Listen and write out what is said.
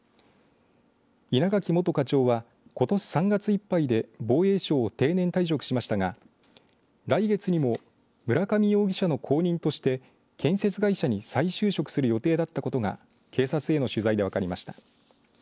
稲垣元課長はことし３月いっぱいで防衛省を定年退職しましたが来月にも村上容疑者の後任として建設会社に再就職する予定だったことが警察への取材で分かりました。